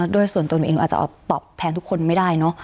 ด้วยส่วนตัวหนูเองหนูอาจจะตอบแทนทุกคนไม่ได้เนอะ